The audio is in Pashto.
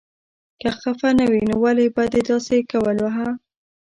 که خفه نه وې نو ولې به دې داسې کول هه.